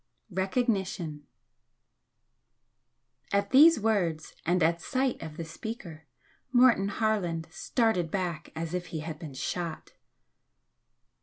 VI RECOGNITION At these words and at sight of the speaker, Morton Harland started back as if he had been shot.